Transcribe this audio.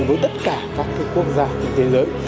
với tất cả các quốc gia trên thế giới